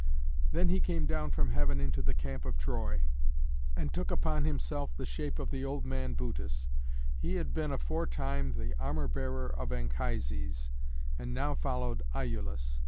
Then he came down from heaven into the camp of Troy, and took upon himself the shape of the old man Butes: he had been aforetime the armour bearer of Anchises, and now followed Iülus.